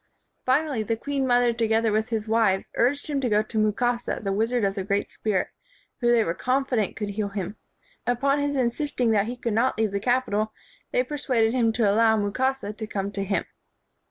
Finally, the queen mother together with his wives urged him to go to Mukasa, the wizard of the great spirit, who they were confident could heal him. Upon his insist ing that he could not leave the capital, they persuaded him to allow Mukasa to come to him.